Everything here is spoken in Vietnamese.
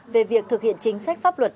về việc thực hiện chính sách pháp luật